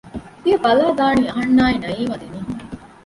ތިޔަ ބަލައި ދާނީ އަހަންނާއި ނަޢީމާ ދެ މީހުން